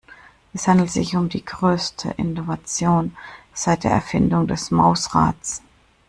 Es handelt sich um die größte Innovation seit der Erfindung des Mausrads.